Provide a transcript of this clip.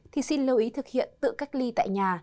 thì xin lưu ý thực hiện tự cách ly tại nhà